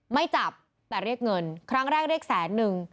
ไม่จับแต่เรียกเงินครั้งแรกเรียกแสนนึง